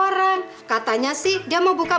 tempat ini sudah dibeli orang